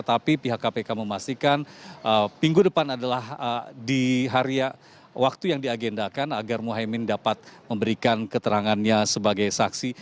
tapi pihak kpk memastikan minggu depan adalah di hari waktu yang diagendakan agar muhaymin dapat memberikan keterangannya sebagai saksi